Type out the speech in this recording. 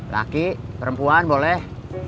laki perempuan boleh